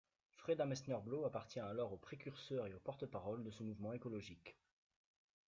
Freda Meissner-Blau appartient alors aux précurseurs et aux porte-parole de ce mouvement écologique.